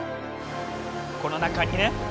この中にね。